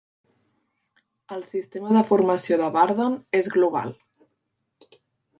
El sistema de formació de Bardon és global.